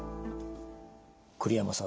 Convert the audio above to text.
栗山さん